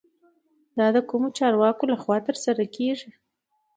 دا د کومو چارواکو له خوا ترسره کیږي؟